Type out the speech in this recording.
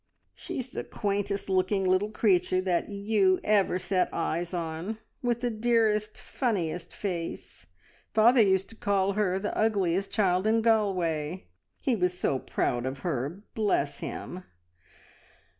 "She's the quaintest looking little creature that ever you set eyes on, with the dearest, funniest face! Father used to call her the ugliest child in Galway. He was so proud of her, bless him!"